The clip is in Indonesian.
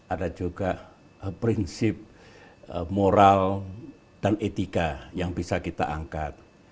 ada juga prinsip moral dan etika yang bisa kita angkat